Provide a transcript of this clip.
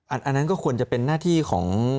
อันนั้นก็ควรจะเป็นหน้าที่ของ